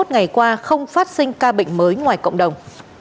hai mươi ngày qua không phát sinh ca bệnh mới ngoài cộng đồng